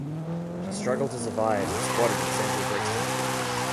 She struggled to survive and squatted in central Brixton.